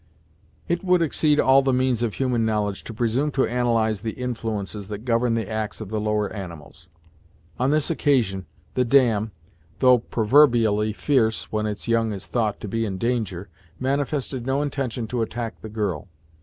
It would exceed all the means of human knowledge to presume to analyze the influences that govern the acts of the lower animals. On this occasion, the dam, though proverbially fierce when its young is thought to be in danger, manifested no intention to attack the girl.